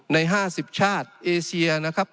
ใน๕๐ชาติเอเชียนะครับ